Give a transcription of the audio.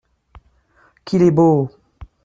—qu’il est beau !